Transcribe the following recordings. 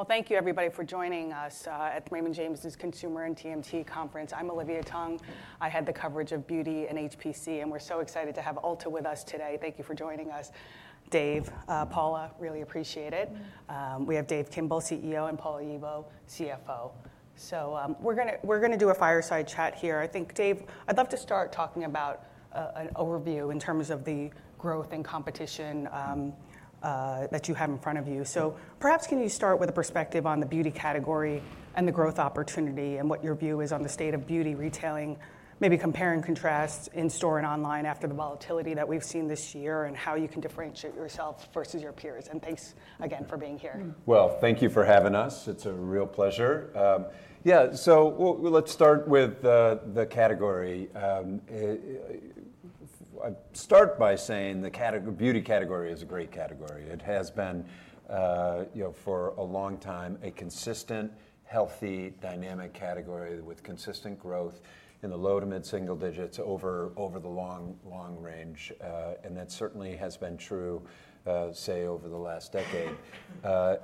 Okay. Thank you, everybody, for joining us at Raymond James's Consumer and TMT Conference. I'm Olivia Tong. I have the coverage of beauty and HPC, and we're so excited to have Ulta with us today. Thank you for joining us, Dave. Paula, really appreciate it. We have Dave Kimbell, CEO, and Paula Oyibo, CFO. We're going to do a fireside chat here. I think, Dave, I'd love to start talking about an overview in terms of the growth and competition that you have in front of you. Perhaps can you start with a perspective on the beauty category and the growth opportunity and what your view is on the state of beauty retailing, maybe compare and contrast in store and online after the volatility that we've seen this year and how you can differentiate yourself versus your peers, and thanks again for being here? Thank you for having us. It's a real pleasure. Yeah, so let's start with the category. I'd start by saying the beauty category is a great category. It has been, you know, for a long time a consistent, healthy, dynamic category with consistent growth in the low to mid-single digits over the long range. And that certainly has been true, say, over the last decade.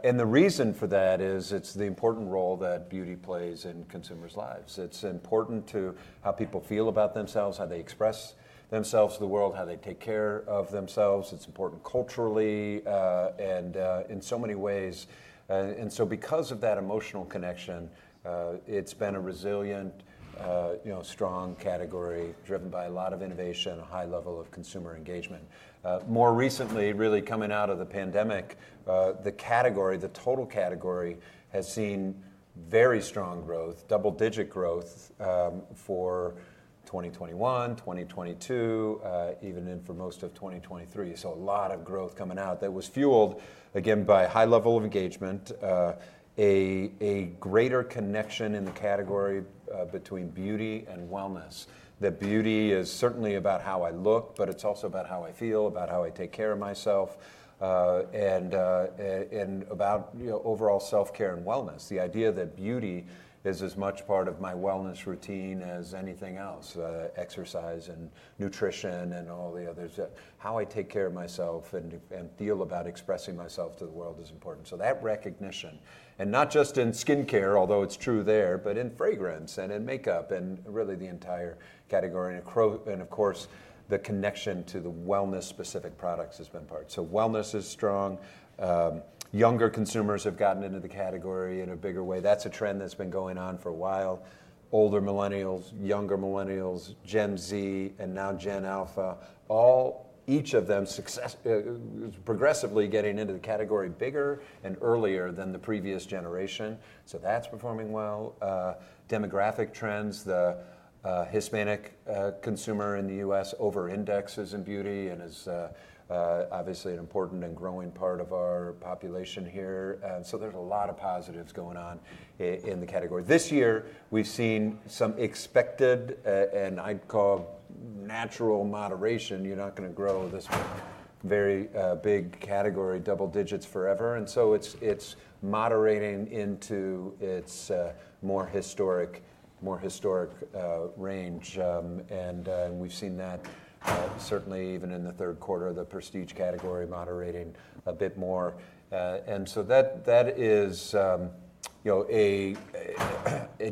And the reason for that is it's the important role that beauty plays in consumers' lives. It's important to how people feel about themselves, how they express themselves to the world, how they take care of themselves. It's important culturally and in so many ways. And so because of that emotional connection, it's been a resilient, strong category driven by a lot of innovation and a high level of consumer engagement. More recently, really coming out of the pandemic, the category, the total category has seen very strong growth, double-digit growth for 2021, 2022, even in for most of 2023, so a lot of growth coming out that was fueled, again, by a high level of engagement, a greater connection in the category between beauty and wellness. That beauty is certainly about how I look, but it's also about how I feel, about how I take care of myself, and about overall self-care and wellness. The idea that beauty is as much part of my wellness routine as anything else, exercise and nutrition and all the others. How I take care of myself and feel about expressing myself to the world is important, so that recognition, and not just in skincare, although it's true there, but in fragrance and in makeup and really the entire category. Of course, the connection to the wellness-specific products has been part. So wellness is strong. Younger consumers have gotten into the category in a bigger way. That's a trend that's been going on for a while. Older Millennials, younger Millennials, Gen Z, and now Gen Alpha, all each of them progressively getting into the category bigger and earlier than the previous generation. So that's performing well. Demographic trends, the Hispanic consumer in the U.S. over-indexes in beauty and is obviously an important and growing part of our population here. And so there's a lot of positives going on in the category. This year, we've seen some expected and I'd call natural moderation. You're not going to grow this very big category, double digits forever. And so it's moderating into its more historic range. And we've seen that certainly even in the third quarter, the prestige category moderating a bit more. And so that is a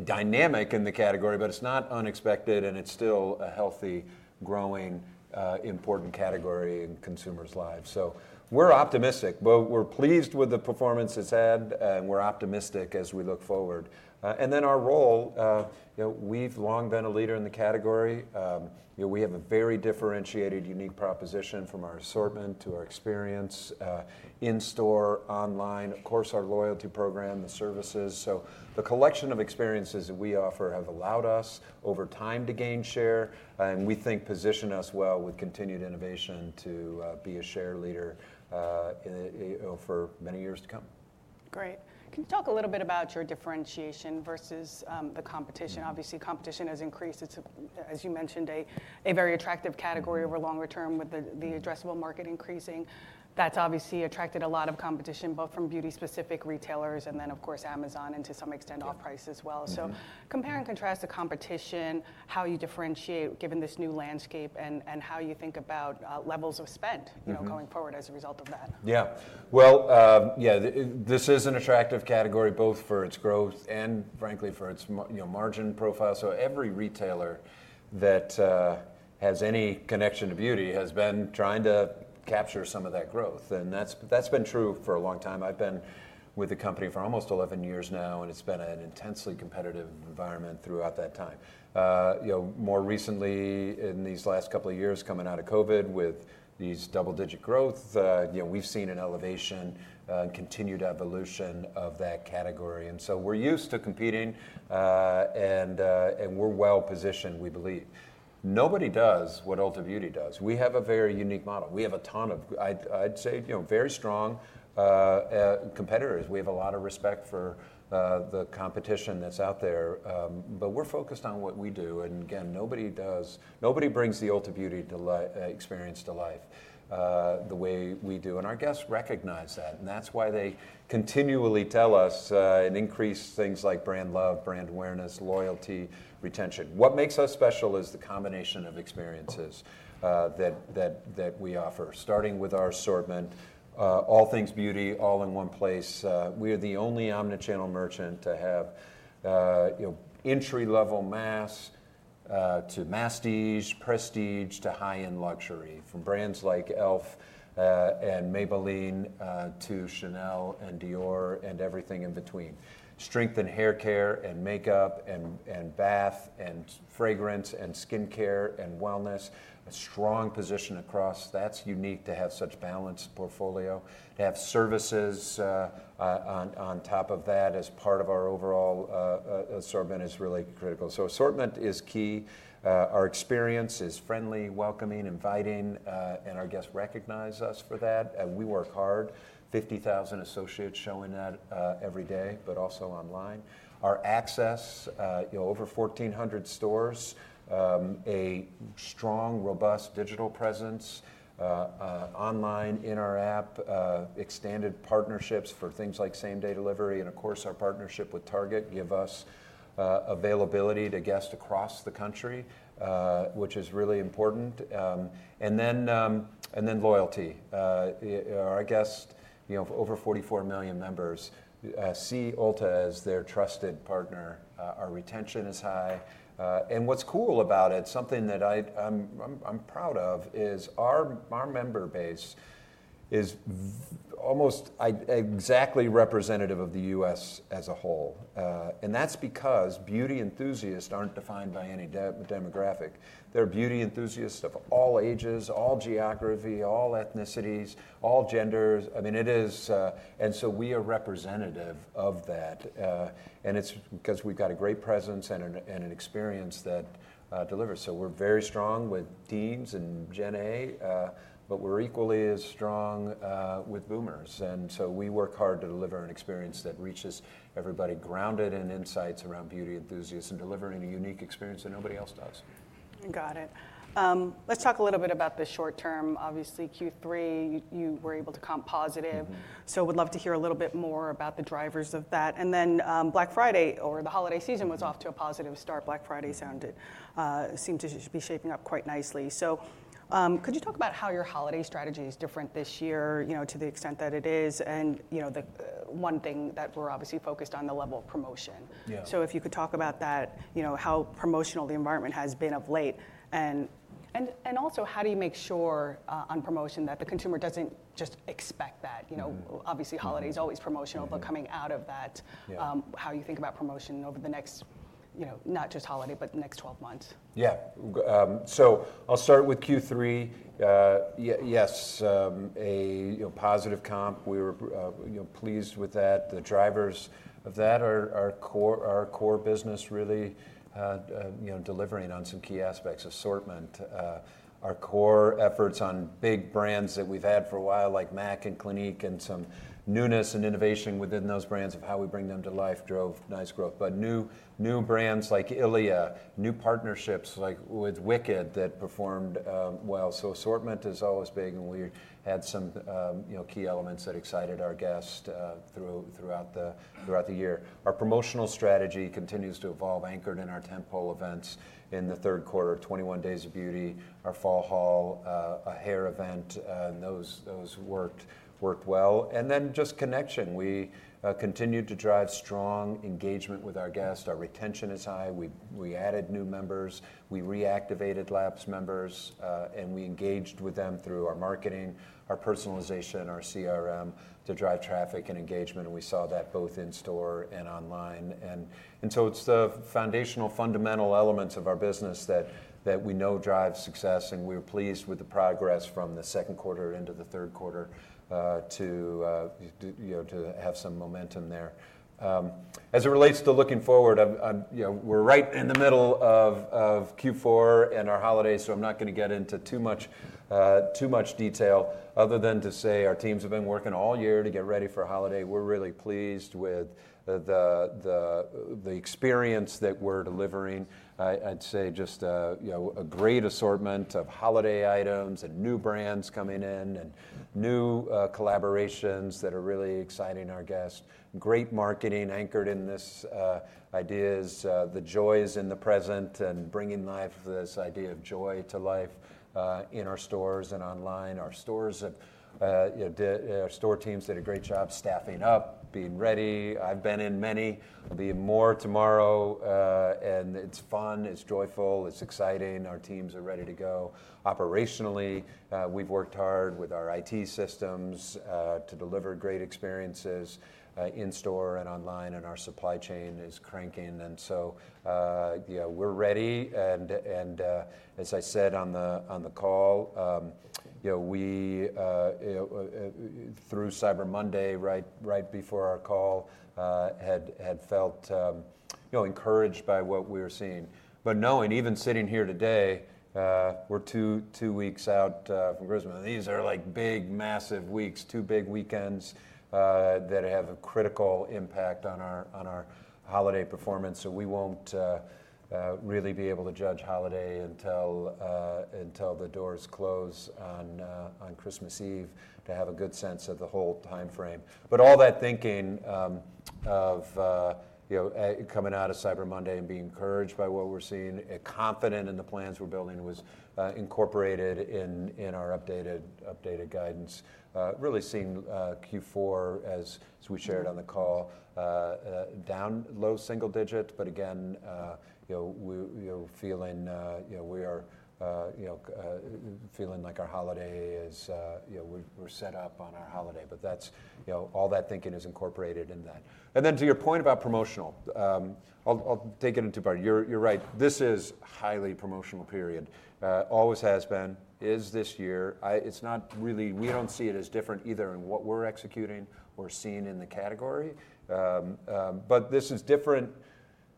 dynamic in the category, but it's not unexpected, and it's still a healthy, growing, important category in consumers' lives. So we're optimistic. We're pleased with the performance it's had, and we're optimistic as we look forward. And then our role, we've long been a leader in the category. We have a very differentiated, unique proposition from our assortment to our experience in store, online, of course, our loyalty program, the services. So the collection of experiences that we offer have allowed us over time to gain share, and we think position us well with continued innovation to be a share leader for many years to come. Great. Can you talk a little bit about your differentiation versus the competition? Obviously, competition has increased. It's, as you mentioned, a very attractive category over longer term with the addressable market increasing. That's obviously attracted a lot of competition, both from beauty-specific retailers and then, of course, Amazon and to some extent our peers as well. So compare and contrast the competition, how you differentiate given this new landscape, and how you think about levels of spend going forward as a result of that. Yeah. Well, yeah, this is an attractive category both for its growth and, frankly, for its margin profile, so every retailer that has any connection to beauty has been trying to capture some of that growth, and that's been true for a long time. I've been with the company for almost 11 years now, and it's been an intensely competitive environment throughout that time. More recently, in these last couple of years coming out of COVID with these double-digit growth, we've seen an elevation and continued evolution of that category, and so we're used to competing, and we're well positioned, we believe. Nobody does what Ulta Beauty does. We have a very unique model. We have a ton of, I'd say, very strong competitors. We have a lot of respect for the competition that's out there, but we're focused on what we do. Again, nobody brings the Ulta Beauty experience to life the way we do. Our guests recognize that. That's why they continually tell us and increase things like brand love, brand awareness, loyalty, retention. What makes us special is the combination of experiences that we offer, starting with our assortment, all things beauty, all in one place. We are the only omnichannel merchant to have entry-level mass to masstige, prestige to high-end luxury, from brands like e.l.f. and Maybelline to Chanel and Dior and everything in between. Strength and haircare and makeup and bath and fragrance and skincare and wellness, a strong position across. That's unique to have such a balanced portfolio. To have services on top of that as part of our overall assortment is really critical. Assortment is key. Our experience is friendly, welcoming, inviting, and our guests recognize us for that. We work hard. 50,000 associates showing up every day, but also online. Our assets, over 1,400 stores, a strong, robust digital presence online in our app, extended partnerships for things like same-day delivery. And of course, our partnership with Target gives us availability to guests across the country, which is really important. And then loyalty. Our guests, over 44 million members, see Ulta as their trusted partner. Our retention is high. And what's cool about it, something that I'm proud of, is our member base is almost exactly representative of the U.S. as a whole. And that's because beauty enthusiasts aren't defined by any demographic. They're beauty enthusiasts of all ages, all geography, all ethnicities, all genders. I mean, it is. And so we are representative of that. And it's because we've got a great presence and an experience that delivers. So we're very strong with teens and Gen Alpha, but we're equally as strong with Boomers. And so we work hard to deliver an experience that reaches everybody, grounded in insights around beauty enthusiasts and delivering a unique experience that nobody else does. Got it. Let's talk a little bit about the short term. Obviously, Q3, you were able to come positive. So, I would love to hear a little bit more about the drivers of that. And then, Black Friday or the holiday season was off to a positive start. Black Friday seemed to be shaping up quite nicely. So, could you talk about how your holiday strategy is different this year to the extent that it is, and the one thing that we're obviously focused on, the level of promotion? So, if you could talk about that, how promotional the environment has been of late? And also, how do you make sure on promotion that the consumer doesn't just expect that? Obviously, holiday is always promotional, but coming out of that, how you think about promotion over the next, not just holiday, but the next 12 months? Yeah. So I'll start with Q3. Yes, a positive comp. We were pleased with that. The drivers of that are our core business, really delivering on some key aspects, assortment. Our core efforts on big brands that we've had for a while, like MAC and Clinique and some newness and innovation within those brands of how we bring them to life drove nice growth. But new brands like Ilia, new partnerships like with Wicked that performed well. So assortment is always big, and we had some key elements that excited our guests throughout the year. Our promotional strategy continues to evolve, anchored in our tentpole events in the third quarter, 21 Days of Beauty, our Fall Haul, a hair event. Those worked well, and then just connection. We continued to drive strong engagement with our guests. Our retention is high. We added new members. We reactivated lapsed members, and we engaged with them through our marketing, our personalization, our CRM to drive traffic and engagement. And we saw that both in store and online. And so it's the foundational fundamental elements of our business that we know drive success. And we're pleased with the progress from the second quarter into the third quarter to have some momentum there. As it relates to looking forward, we're right in the middle of Q4 and our holiday, so I'm not going to get into too much detail other than to say our teams have been working all year to get ready for holiday. We're really pleased with the experience that we're delivering. I'd say just a great assortment of holiday items and new brands coming in and new collaborations that are really exciting our guests. Great marketing anchored in this idea is the joys in the present and bringing life to this idea of joy to life in our stores and online. Our stores have our store teams did a great job staffing up, being ready. I've been in many. There'll be more tomorrow, and it's fun. It's joyful. It's exciting. Our teams are ready to go. Operationally, we've worked hard with our IT systems to deliver great experiences in store and online, and our supply chain is cranking, and so we're ready. And as I said on the call, through Cyber Monday, right before our call, had felt encouraged by what we were seeing. But knowing, even sitting here today, we're two weeks out from Christmas. These are like big, massive weeks, two big weekends that have a critical impact on our holiday performance. So we won't really be able to judge holiday until the doors close on Christmas Eve to have a good sense of the whole timeframe. But all that thinking of coming out of Cyber Monday and being encouraged by what we're seeing, confident in the plans we're building, was incorporated in our updated guidance. Really seeing Q4, as we shared on the call, down low single digit, but again, feeling like our holiday, we're set up for our holiday. But all that thinking is incorporated in that. And then to your point about promotional, I'll take it. You're right. This is a highly promotional period. Always has been, is this year. It's not really we don't see it as different either in what we're executing or seeing in the category. But this is different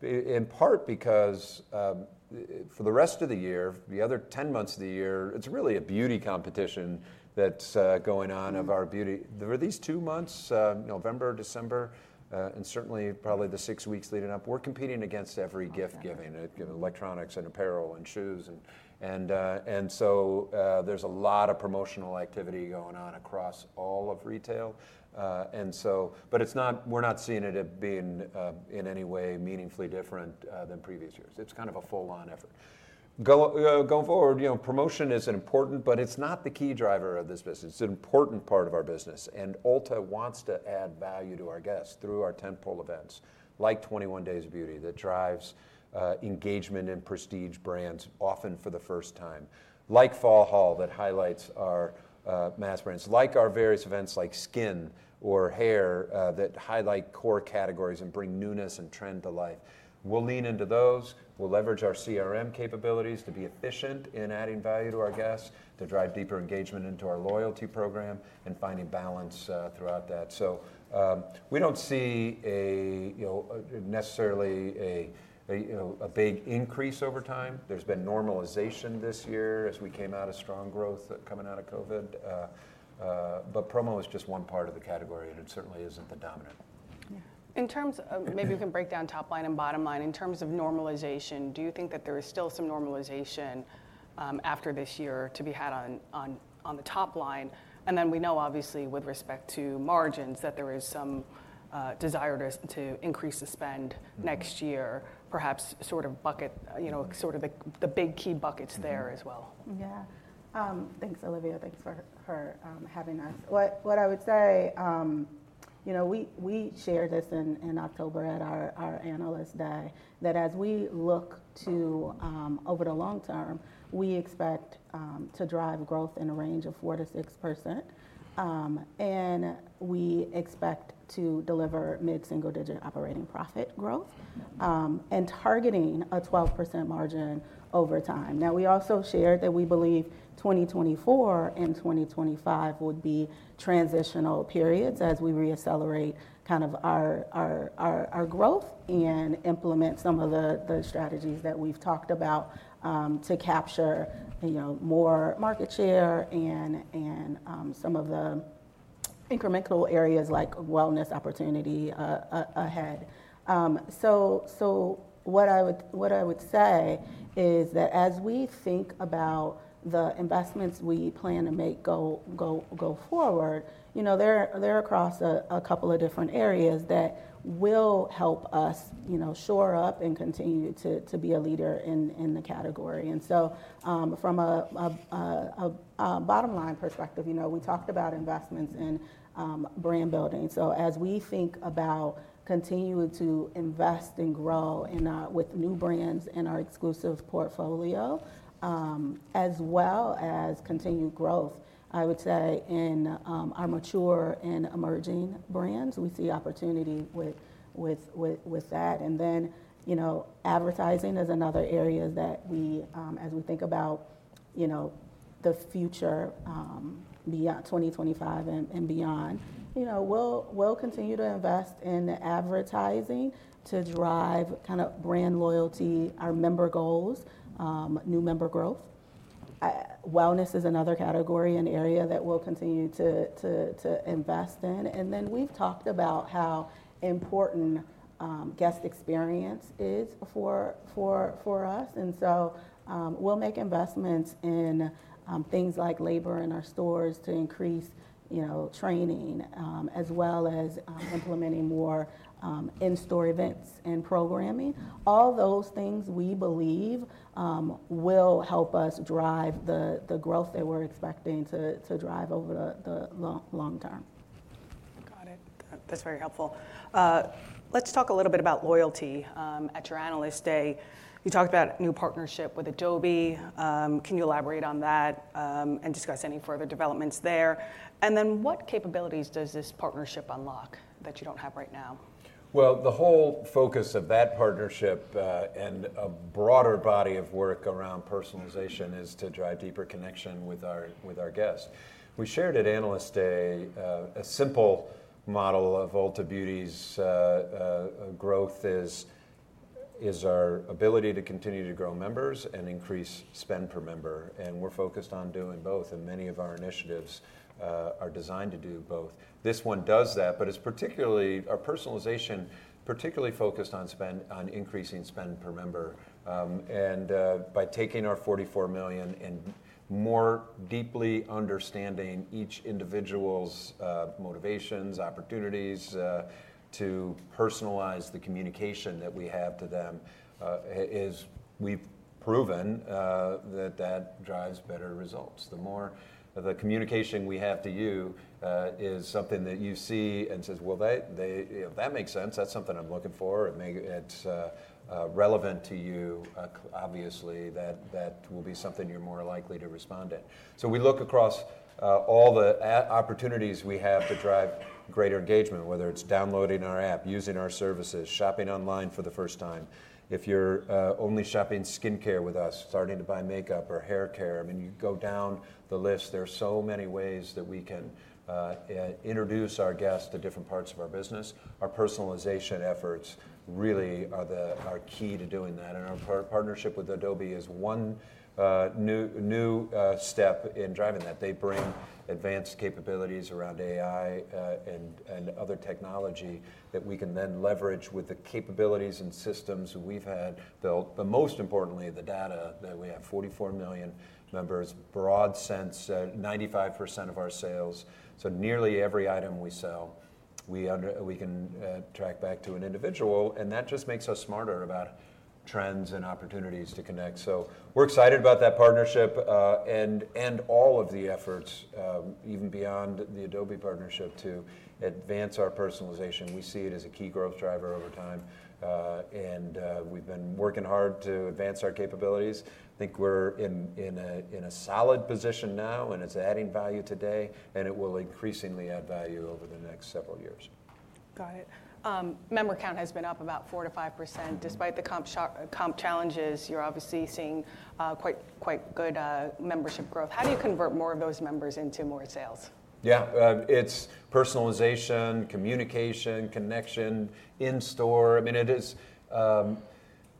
in part because for the rest of the year, the other 10 months of the year, it's really a beauty competition that's going on of our beauty. For these two months, November, December, and certainly probably the six weeks leading up, we're competing against every gift giving, electronics and apparel and shoes. And so there's a lot of promotional activity going on across all of retail. But we're not seeing it being in any way meaningfully different than previous years. It's kind of a full-on effort. Going forward, promotion is important, but it's not the key driver of this business. It's an important part of our business. And Ulta wants to add value to our guests through our tentpole events like 21 Days of Beauty that drives engagement and prestige brands often for the first time. Like Fall Haul that highlights our mass brands. Like our various events like skin or hair that highlight core categories and bring newness and trend to life. We'll lean into those. We'll leverage our CRM capabilities to be efficient in adding value to our guests, to drive deeper engagement into our loyalty program and finding balance throughout that. So we don't see necessarily a big increase over time. There's been normalization this year as we came out of strong growth coming out of COVID. But promo is just one part of the category, and it certainly isn't the dominant. Yeah. In terms of, maybe we can break down top line and bottom line. In terms of normalization, do you think that there is still some normalization after this year to be had on the top line? And then we know, obviously, with respect to margins, that there is some desire to increase the spend next year, perhaps sort of bucket sort of the big key buckets there as well. Yeah. Thanks, Olivia. Thanks for having us. What I would say, we shared this in October at our analyst day that as we look over the long term, we expect to drive growth in a range of 4%-6%. We expect to deliver mid-single-digit operating profit growth and targeting a 12% margin over time. Now, we also shared that we believe 2024 and 2025 would be transitional periods as we reaccelerate kind of our growth and implement some of the strategies that we've talked about to capture more market share and some of the incremental areas like wellness opportunity ahead. What I would say is that as we think about the investments we plan to make go forward, they're across a couple of different areas that will help us shore up and continue to be a leader in the category. And so from a bottom line perspective, we talked about investments in brand building. So as we think about continuing to invest and grow with new brands in our exclusive portfolio, as well as continued growth, I would say in our mature and emerging brands, we see opportunity with that. And then advertising is another area that as we think about the future beyond 2025 and beyond, we'll continue to invest in the advertising to drive kind of brand loyalty, our member goals, new member growth. Wellness is another category, an area that we'll continue to invest in. And then we've talked about how important guest experience is for us. And so we'll make investments in things like labor in our stores to increase training, as well as implementing more in-store events and programming. All those things we believe will help us drive the growth that we're expecting to drive over the long term. Got it. That's very helpful. Let's talk a little bit about loyalty. At your analyst day, you talked about a new partnership with Adobe. Can you elaborate on that and discuss any further developments there? And then what capabilities does this partnership unlock that you don't have right now? The whole focus of that partnership and a broader body of work around personalization is to drive deeper connection with our guests. We shared at analyst day a simple model of Ulta Beauty's growth is our ability to continue to grow members and increase spend per member. And we're focused on doing both. And many of our initiatives are designed to do both. This one does that, but our personalization is particularly focused on increasing spend per member. And by taking our 44 million and more deeply understanding each individual's motivations, opportunities to personalize the communication that we have to them, we've proven that that drives better results. The more of the communication we have to you is something that you see and says, "Well, that makes sense. That's something I'm looking for. It's relevant to you, obviously. That will be something you're more likely to respond to." So we look across all the opportunities we have to drive greater engagement, whether it's downloading our app, using our services, shopping online for the first time. If you're only shopping skincare with us, starting to buy makeup or hair care, I mean, you go down the list. There are so many ways that we can introduce our guests to different parts of our business. Our personalization efforts really are key to doing that. And our partnership with Adobe is one new step in driving that. They bring advanced capabilities around AI and other technology that we can then leverage with the capabilities and systems we've had built. But most importantly, the data that we have, 44 million members, broad sense, 95% of our sales. So nearly every item we sell, we can track back to an individual. That just makes us smarter about trends and opportunities to connect. We're excited about that partnership and all of the efforts, even beyond the Adobe partnership, to advance our personalization. We see it as a key growth driver over time. We've been working hard to advance our capabilities. I think we're in a solid position now, and it's adding value today, and it will increasingly add value over the next several years. Got it. Member count has been up about 4%-5%. Despite the comp challenges, you're obviously seeing quite good membership growth. How do you convert more of those members into more sales? Yeah. It's personalization, communication, connection, in-store. I mean,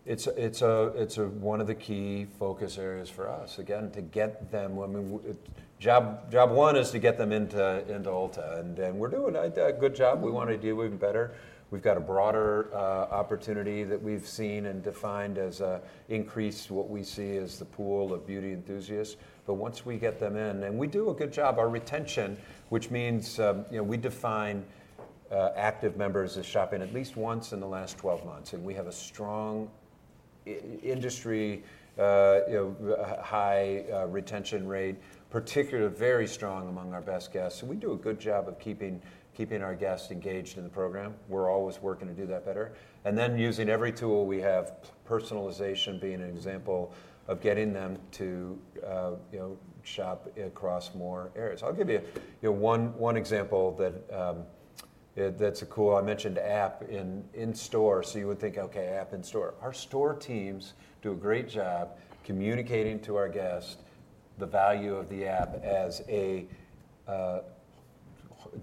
it's one of the key focus areas for us, again, to get them. Job one is to get them into Ulta. And then we're doing a good job. We want to do even better. We've got a broader opportunity that we've seen and defined as increased what we see as the pool of beauty enthusiasts. But once we get them in, and we do a good job, our retention, which means we define active members as shopping at least once in the last 12 months. And we have a strong, industry-high retention rate, particularly very strong among our best guests. And we do a good job of keeping our guests engaged in the program. We're always working to do that better. And then using every tool we have, personalization being an example of getting them to shop across more areas. I'll give you one example that's a cool example I mentioned, app in store. So you would think, "Okay, app in store." Our store teams do a great job communicating to our guests the value of the app as a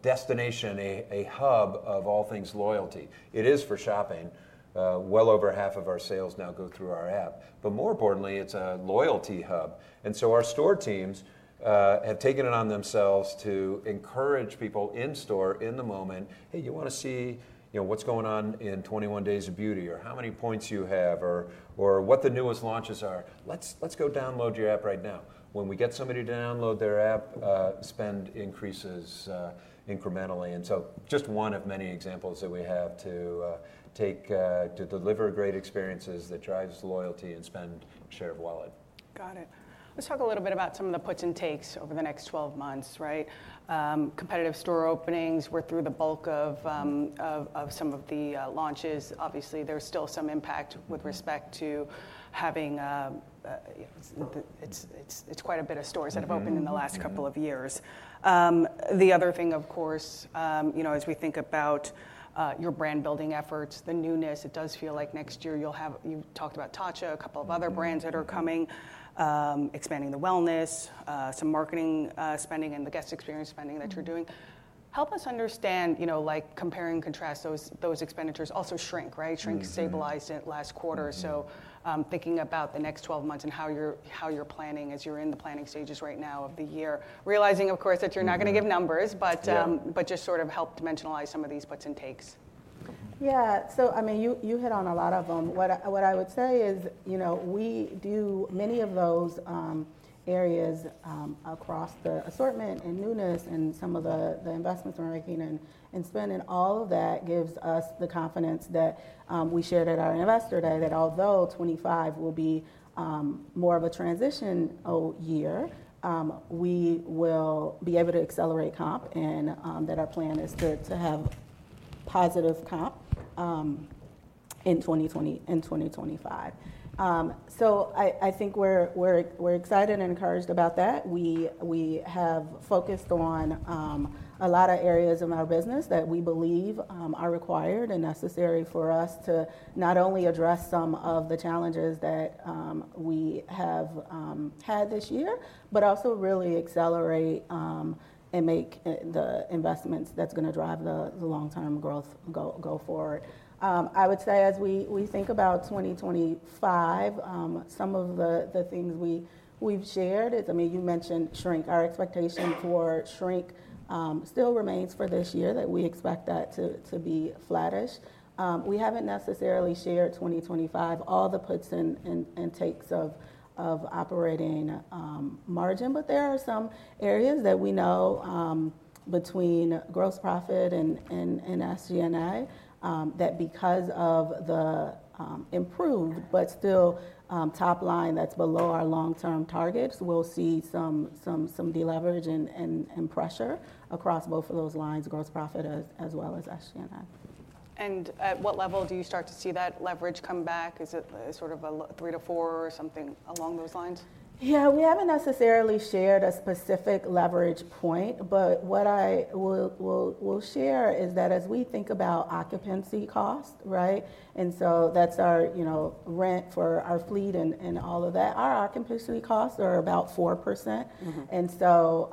destination, a hub of all things loyalty. It is for shopping. Well over half of our sales now go through our app. But more importantly, it's a loyalty hub. And so our store teams have taken it on themselves to encourage people in store in the moment, "Hey, you want to see what's going on in 21 Days of Beauty, or how many points you have, or what the newest launches are? Let's go download your app right now." When we get somebody to download their app, spend increases incrementally. Just one of many examples that we have to deliver great experiences that drives loyalty and spend share of wallet. Got it. Let's talk a little bit about some of the puts and takes over the next 12 months, right? Competitive store openings. We're through the bulk of some of the launches. Obviously, there's still some impact with respect to having. It's quite a bit of stores that have opened in the last couple of years. The other thing, of course, as we think about your brand building efforts, the newness, it does feel like next year you'll have. You've talked about Tatcha, a couple of other brands that are coming, expanding the wellness, some marketing spending and the guest experience spending that you're doing. Help us understand, compare and contrast those expenditures. Also, shrink, right? Shrink stabilize in the last quarter. So thinking about the next 12 months and how you're planning as you're in the planning stages right now of the year, realizing, of course, that you're not going to give numbers, but just sort of help dimensionalize some of these puts and takes. Yeah, so I mean, you hit on a lot of them. What I would say is we do many of those areas across the assortment and newness and some of the investments we're making and spending. All of that gives us the confidence that we shared at our investor day that although 2025 will be more of a transition year, we will be able to accelerate comp and that our plan is to have positive comp in 2020 and 2025, so I think we're excited and encouraged about that. We have focused on a lot of areas of our business that we believe are required and necessary for us to not only address some of the challenges that we have had this year, but also really accelerate and make the investments that's going to drive the long-term growth go forward. I would say as we think about 2025, some of the things we've shared. I mean, you mentioned shrink. Our expectation for shrink still remains for this year that we expect that to be flattish. We haven't necessarily shared 2025, all the puts and takes of operating margin, but there are some areas that we know between gross profit and SG&A that because of the improved, but still top line that's below our long-term targets, we'll see some deleveraging and pressure across both of those lines, gross profit as well as SG&A. At what level do you start to see that leverage come back? Is it sort of a 3%-4% or something along those lines? Yeah. We haven't necessarily shared a specific leverage point, but what I will share is that as we think about occupancy costs, right? And so that's our rent for our fleet and all of that, our occupancy costs are about 4%. And so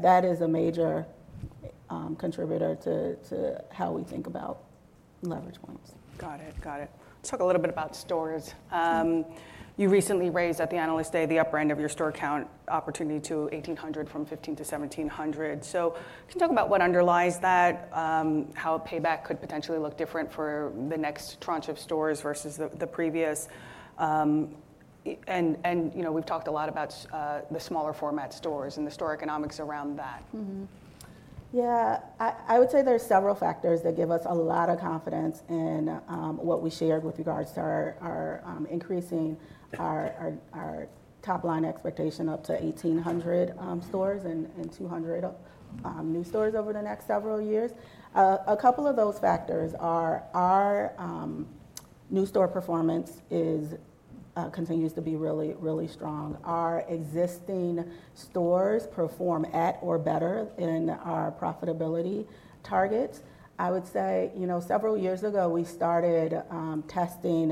that is a major contributor to how we think about leverage points. Got it. Got it. Let's talk a little bit about stores. You recently raised at the analyst day the upper end of your store count opportunity to 1,800 from 1,500 to 1,700. So can you talk about what underlies that, how a payback could potentially look different for the next tranche of stores versus the previous? And we've talked a lot about the smaller format stores and the store economics around that. Yeah. I would say there are several factors that give us a lot of confidence in what we shared with regards to our increasing our top line expectation up to 1,800 stores and 200 new stores over the next several years. A couple of those factors are our new store performance continues to be really, really strong. Our existing stores perform at or better than our profitability targets. I would say several years ago, we started testing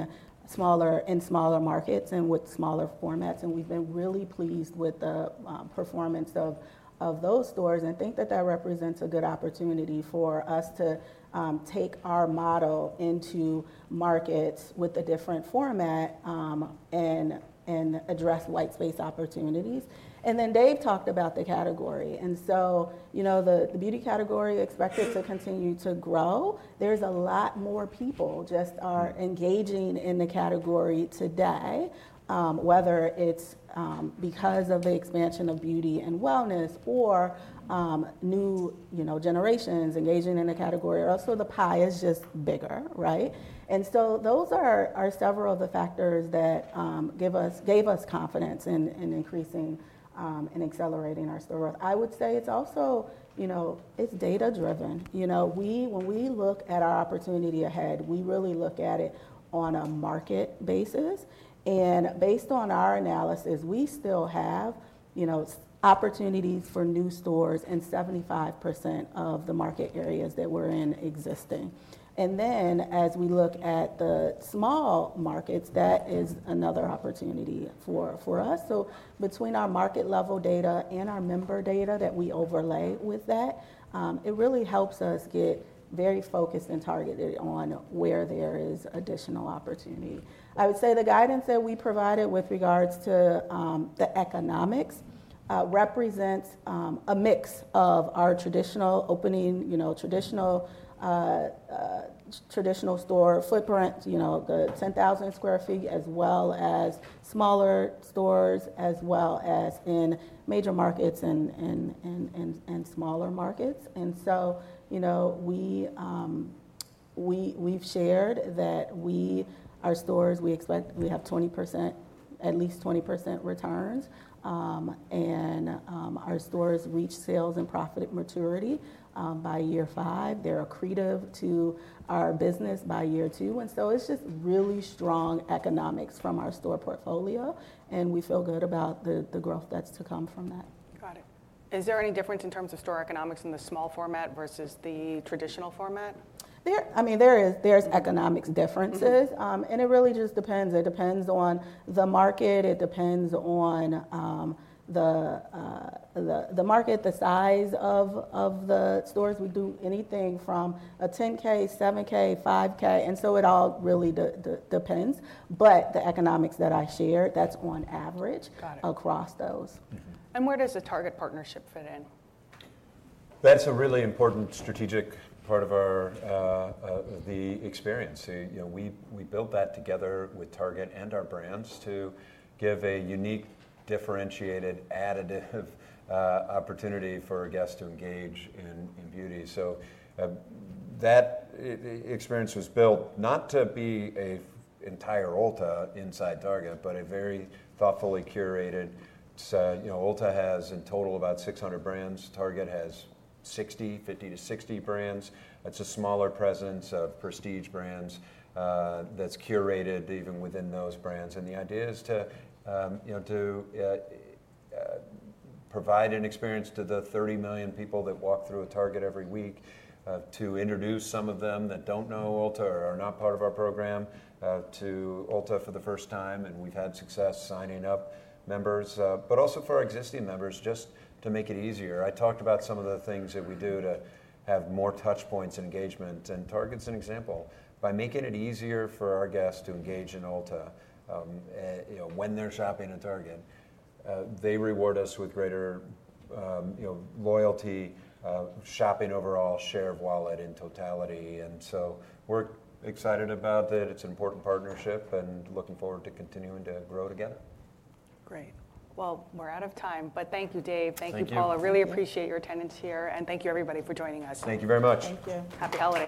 in smaller markets and with smaller formats. And we've been really pleased with the performance of those stores and think that that represents a good opportunity for us to take our model into markets with a different format and address white space opportunities. And then Dave talked about the category. And so the beauty category expected to continue to grow. There's a lot more people just are engaging in the category today, whether it's because of the expansion of beauty and wellness or new generations engaging in the category or else the pie is just bigger, right, and so those are several of the factors that gave us confidence in increasing and accelerating our store growth. I would say it's also data-driven. When we look at our opportunity ahead, we really look at it on a market basis and based on our analysis, we still have opportunities for new stores in 75% of the market areas that we're in existing, and then as we look at the small markets, that is another opportunity for us, so between our market-level data and our member data that we overlay with that, it really helps us get very focused and targeted on where there is additional opportunity. I would say the guidance that we provided with regards to the economics represents a mix of our traditional opening, traditional store footprint, the 10,000 sq ft, as well as smaller stores, as well as in major markets and smaller markets. We've shared that our stores, we expect we have at least 20% returns. Our stores reach sales and profit maturity by year five. They're accretive to our business by year two. It's just really strong economics from our store portfolio. We feel good about the growth that's to come from that. Got it. Is there any difference in terms of store economics in the small format versus the traditional format? I mean, there are economic differences, and it really just depends. It depends on the market. It depends on the market, the size of the stores. We do anything from a 10K, 7K, 5K, and so it all really depends, but the economics that I shared, that's on average across those. Where does the Target partnership fit in? That's a really important strategic part of the experience. We built that together with Target and our brands to give a unique, differentiated, additive opportunity for guests to engage in beauty, so that experience was built not to be an entire Ulta inside Target, but a very thoughtfully curated. Ulta has in total about 600 brands. Target has 50 brands-60 brands. It's a smaller presence of prestige brands that's curated even within those brands, and the idea is to provide an experience to the 30 million people that walk through a Target every week, to introduce some of them that don't know Ulta or are not part of our program to Ulta for the first time, and we've had success signing up members, but also for existing members, just to make it easier. I talked about some of the things that we do to have more touchpoints and engagement. Target's an example. By making it easier for our guests to engage in Ulta when they're shopping at Target, they reward us with greater loyalty, shopping overall share of wallet in totality. And so we're excited about it. It's an important partnership and looking forward to continuing to grow together. Great. Well, we're out of time, but thank you, Dave. Thank you, Paula. Really appreciate your attendance here. And thank you, everybody, for joining us. Thank you very much. Thank you. Happy holidays.